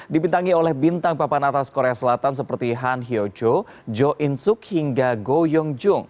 dipintangi oleh bintang papan atas korea selatan seperti han hyo jo jo in suk hingga go yong jung